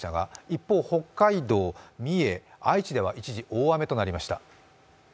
一方北海道、三重、愛知では一時、大雨となりました。